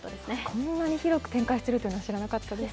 こんなに広く展開しているというのは知らなかったです。